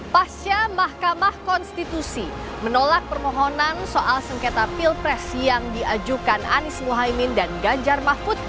pasca mahkamah konstitusi menolak permohonan soal sengketa pilpres yang diajukan anies muhaymin dan ganjar mahfud